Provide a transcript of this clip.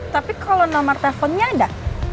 tapi kalau nomor teleponnya ada